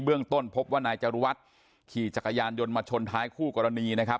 ต้นพบว่านายจรุวัฒน์ขี่จักรยานยนต์มาชนท้ายคู่กรณีนะครับ